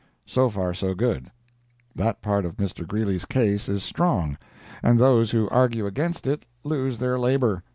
So far, so good. That part of Mr. Greeley's case is strong, and those who argue against it lose their labor.